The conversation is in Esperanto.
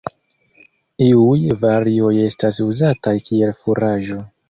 Iuj varioj estas uzataj kiel furaĝo.